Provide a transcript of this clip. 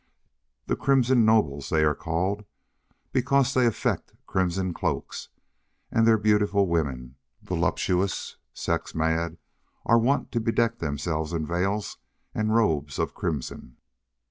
The crimson nobles, they are called. Because they affect crimson cloaks, and their beautiful women, voluptuous, sex mad, are wont to bedeck themselves in veils and robes of crimson.